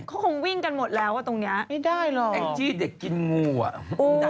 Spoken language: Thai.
เขาคงวิ่งกันหมดแล้วอ่ะตรงเนี้ยไม่ได้หรอกแองจี้เด็กกินงูอ่ะ